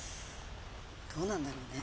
どうなんだろうね。